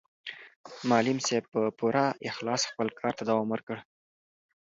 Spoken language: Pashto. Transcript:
معلم صاحب په پوره اخلاص خپل کار ته دوام ورکړ.